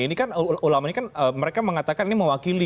ini kan ulama ini kan mereka mengatakan ini mewakili